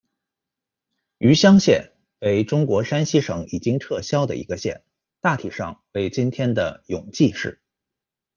虞乡县，为中国山西省已经撤销的一个县，大体上为今天的永济市。